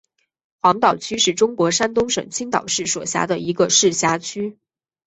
黄岛区是中国山东省青岛市所辖的一个市辖区。